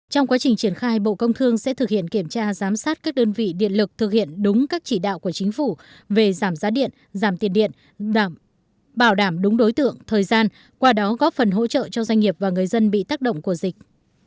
trong quá trình triển khai bộ công thương sẽ thực hiện kiểm tra giám sát các đơn vị điện giảm tiền điện bảo đảm đúng đối tượng thời gian qua đó góp phần hỗ trợ cho doanh nghiệp và người dân bị tác động của dịch